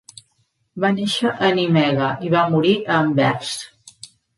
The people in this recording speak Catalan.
Va néixer a Nimega i va morir a Anvers.